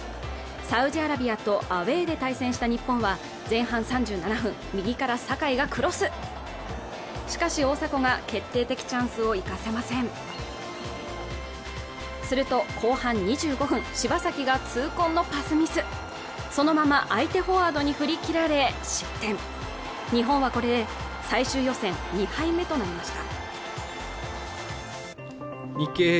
サウジアラビアとアウェーで対戦した日本は前半３７分右から酒井がクロスしかし大迫が決定的チャンスを生かせませんすると後半２５分柴崎が痛恨のパスミスそのまま相手フォワードに振り切られ失点日本はこれで最終予選２敗目となりました